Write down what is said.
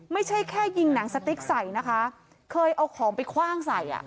ไม่ใช่แค่ยิงหนังสติ๊กใส่นะคะเคยเอาของไปคว่างใส่อ่ะ